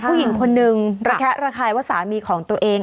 ผู้หญิงคนนึงระแคะระคายว่าสามีของตัวเอง